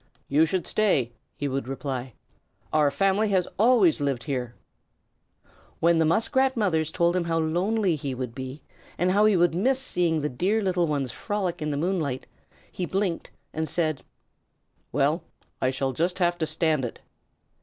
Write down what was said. "You should stay," he would reply. "Our family have always lived here." When the Muskrat mothers told him how lonely he would be, and how he would miss seeing the dear little ones frolic in the moonlight, he blinked and said: "Well, I shall just have to stand it."